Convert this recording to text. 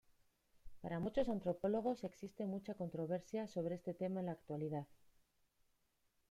Para muchos antropólogos existe mucha controversia sobre este tema en la actualidad.